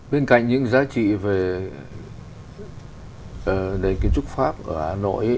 bên cạnh những giá trị về kiến trúc pháp ở hà nội